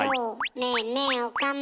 ねえねえ岡村。